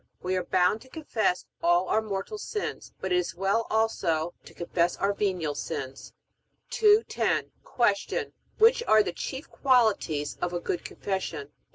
We are bound to confess all our mortal sins, but it is well also to confess our venial sins. 210. Q. Which are the chief qualities of a good Confession?